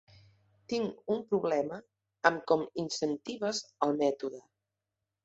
Tinc un problema amb com incentives el mètode.